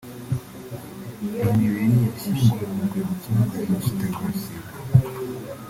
Iyi mibiri yashyinguwe mu rwibutso rwa Jenoside rwa Rusiga